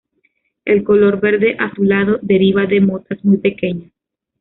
El color verde azulado deriva de motas muy pequeñas.